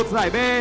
một giải bê